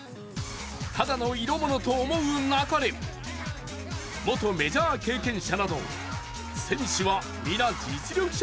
ただの色ものと思うなかれ、元メジャー経験者など、選手はみな実力者